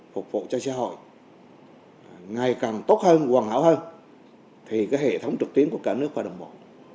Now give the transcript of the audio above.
phục vụ cho xã hội ngày càng tốt hơn hoàn hảo hơn thì hệ thống trực tiến của cả nước phải đồng bộ